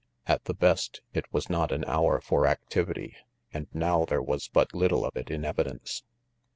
At the best, it was not an hour for activity and now there was but little of it in evidence.